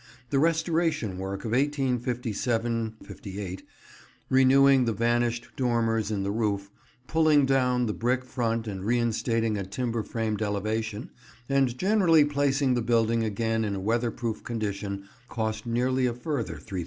The restoration work of 1857–58, renewing the vanished dormers in the roof, pulling down the brick front and reinstating a timber framed elevation, and generally placing the building again in a weather proof condition, cost nearly a further £3000.